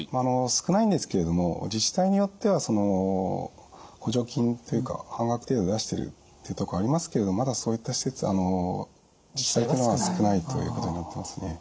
少ないんですけれども自治体によっては補助金というか半額程度出してるっていうとこありますけれどまだそういった自治体というのは少ないということになってますね。